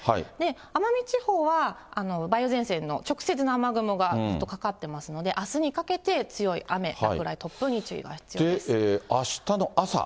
奄美地方は梅雨前線の直接の雨雲がずっとかかってますので、あすにかけて、強い雨、落雷、あしたの朝。